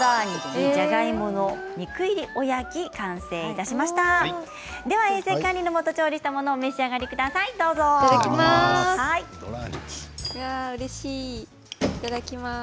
別室で衛生管理のもと調理したものをお召し上がりいただきます。